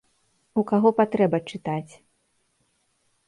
У каго патрэба чытаць.